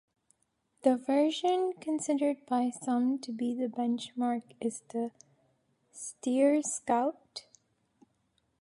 The version considered by some to be the benchmark is the Steyr Scout.